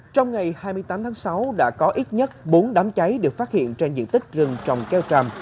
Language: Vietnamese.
trong ngày hai mươi tám tháng sáu đã có ít nhất bốn đám cháy được phát hiện trên diện tích rừng trồng keo tràm